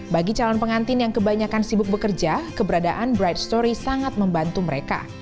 bagi calon pengantin yang kebanyakan sibuk bekerja keberadaan bright story sangat membantu mereka